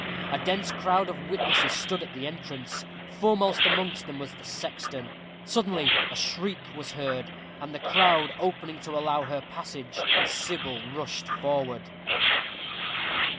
A dense crowd of witnesses stood at the entrance. Foremost amongst them was the sexton. Suddenly a shriek was heard, and the crowd opening to allow her passage, Sybil rushed forward.